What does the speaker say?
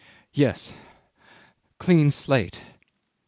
. yes ... clean slate."